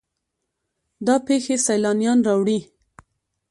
دا پیښې سیلانیان راوړي.